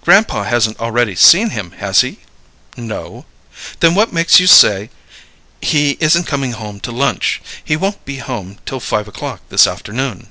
"Grandpa hasn't already seen him, has he?" "No." "Then what makes you say " "He isn't coming home to lunch. He won't be home till five o'clock this afternoon."